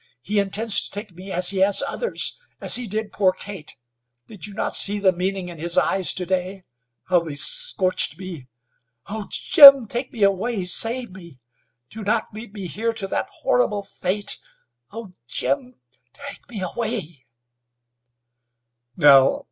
He intends to take me as he has others, as he did poor Kate. did you not see the meaning in his eyes to day? How they scorched me! Ho! Jim, take me away! Save me! Do not leave me here to that horrible fate? Oh! Jim, take me away!"